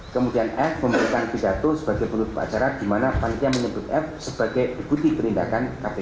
kemudian f memberikan pidato sebagai penutup acara di mana panitia menyebut f sebagai bukti perlindakan kpk